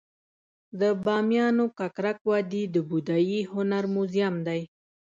د بامیانو ککرک وادي د بودايي هنر موزیم دی